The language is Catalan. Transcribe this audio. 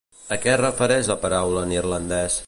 A què es refereix la paraula en irlandès?